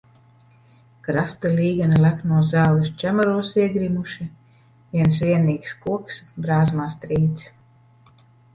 Krasti līgani leknos zāles čemuros iegrimuši, viens vienīgs koks brāzmās trīc.